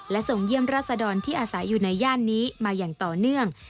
ส่งเยี่ยมราศดรที่อาศัยอยู่ในย่านนี้มาอย่างต่อเนื่อง